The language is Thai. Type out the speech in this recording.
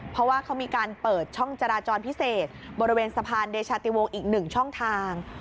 เพราะว่าเขามีการเปิดช่องจราจรพิเศษบริเวณสะพานเดชาติวงอีก๑ช่องทาง